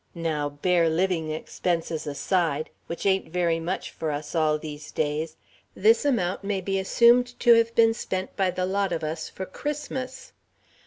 Now, bare living expenses aside, which ain't very much for us all, these days, this amount may be assumed to have been spent by the lot of us for Christmas.